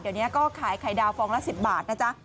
เดี๋ยวนี้ก็ขายไข่ดาวฟองละ๑๐บาทนะจ๊ะ